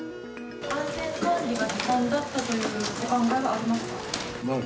安全管理がずさんだったというお考えはありますか？